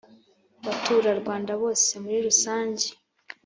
baturarwanda bose muri Rusange